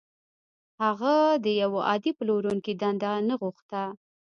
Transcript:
هغه د يوه عادي پلورونکي دنده نه غوښته.